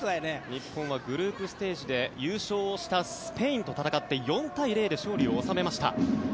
日本はグループステージで優勝したスペインと戦って４対０で勝利を収めました。